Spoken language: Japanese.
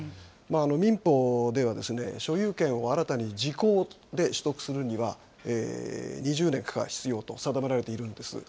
民法では、所有権を新たに時効で取得するには、２０年が必要と定められているんです。